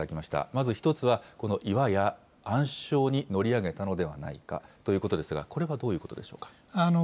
まず１つはこの岩や暗礁に乗り上げたのではないかということですが、これはどういうことでしょうか。